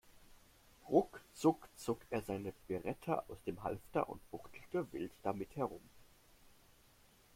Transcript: Ruckzuck zog er seine Beretta aus dem Halfter und fuchtelte wild damit herum.